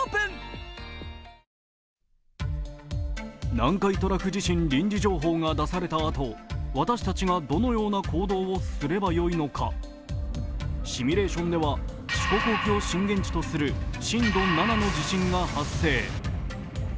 南海トラフ地震臨時情報が出されたあと私たちがどのような行動をすればよいのか、シミュレーションでは四国沖を震源とする震度７の地震が発生。